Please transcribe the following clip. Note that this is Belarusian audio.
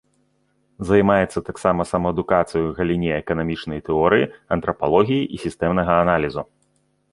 Займаецца таксама самаадукацыяй у галіне эканамічнай тэорыі, антрапалогіі і сістэмнага аналізу.